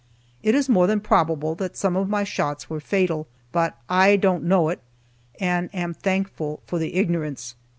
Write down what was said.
It is more than probable that some of my shots were fatal, but I don't know it, and am thankful for the ignorance.